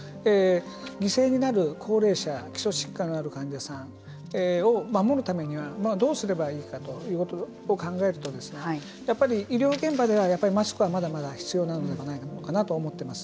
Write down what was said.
犠牲になる高齢者基礎疾患のある患者さんを守るためにはどうすればいいかということを考えるとやっぱり医療現場ではマスクはまだまだ必要なのではないのかなと思っています。